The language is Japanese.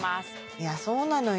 いやそうなのよ